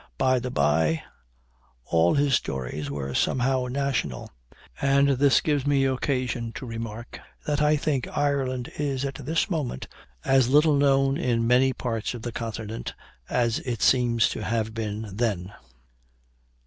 By the bye, all his stories were somehow national; and this gives me occasion to remark, that I think Ireland is, at this moment, as little known in many parts of the Continent as it seems to have been then.